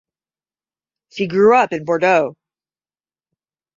She grew up in Bordeaux.